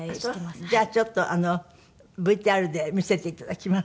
じゃあちょっとＶＴＲで見せていただきます。